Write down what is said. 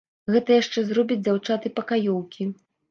Гэта яшчэ зробяць дзяўчаты-пакаёўкі.